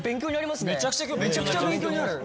めちゃくちゃ勉強になる。